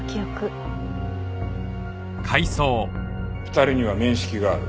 ２人には面識がある。